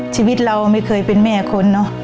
ชีวิตเราไม่เคยเป็นแม่คนเนอะ